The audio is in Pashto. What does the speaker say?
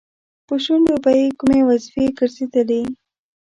په شونډو به یې کومې وظیفې ګرځېدلې؟